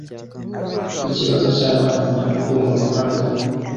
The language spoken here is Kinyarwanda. Ku kibazo cy’abana bo mu muhanda